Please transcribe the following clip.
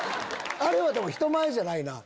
あれはでも人前じゃないな。